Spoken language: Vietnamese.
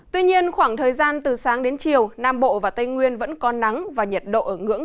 tuy nhiên khoảng thời gian từ sáng đến chiều nam bộ và tây nguyên vẫn có nắng và nhiệt độ ở ngưỡng